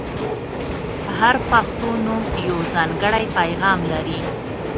• هر پښتو نوم یو ځانګړی پیغام لري.